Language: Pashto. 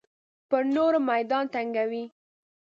پر نورو میدان تنګوي.